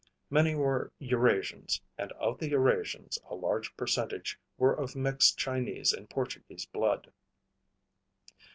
Many were Eurasians, and of the Eurasians, a large percentage were of mixed Chinese and Portuguese blood.